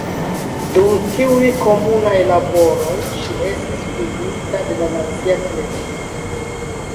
Dum tiuj komunaj laboroj ŝi estis filmita de la nacia televido.